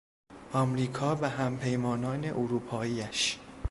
امریکا و همپیمانان اروپاییاش